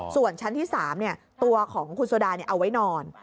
ส่วนที่๓ตัวของคุณโซดานี่เอาไว้นอน